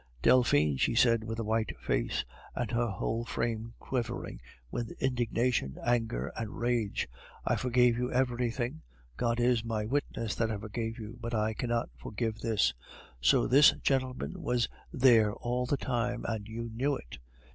"Delphine," she said, with a white face, and her whole frame quivering with indignation, anger, and rage, "I forgave you everything; God is my witness that I forgave you, but I cannot forgive this! So this gentleman was there all the time, and you knew it!